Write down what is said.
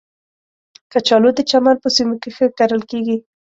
کچالو د چمن په سیمو کې ښه کرل کېږي